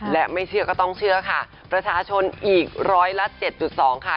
และไม่เชื่อก็ต้องเชื่อค่ะประชาชนอีกร้อยละ๗๒ค่ะ